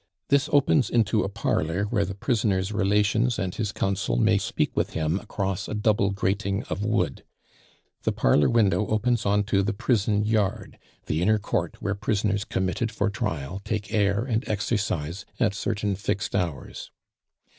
This opens into a parlor where the prisoner's relations and his counsel may speak with him across a double grating of wood. The parlor window opens on to the prison yard, the inner court where prisoners committed for trial take air and exercise at certain fixed hours.